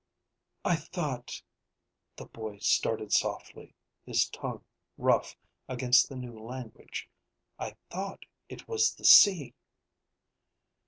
"I thought...." the boy started softly, his tongue rough against the new language. "I thought it was the sea."